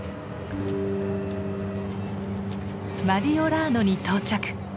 マディオラーノに到着。